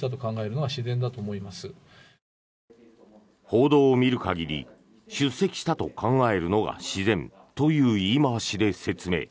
報道を見る限り出席したと考えるのが自然という言い回しで説明。